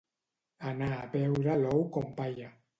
Anar a veure l'ou com balla.